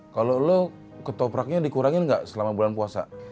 kalau lu ketopraknya dikurangin enggak selama bulan puasa